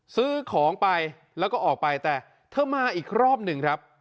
ซื้อของไปแล้วก็ออกไปแต่เธอมาอีกรอบหนึ่งครับ